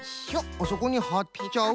あそこにはっちゃう。